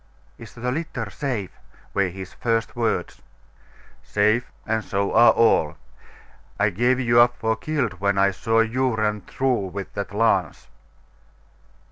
'Is the litter safe'?' were his first words. 'Safe; and so are all. I gave you up for killed when I saw you run through with that lance.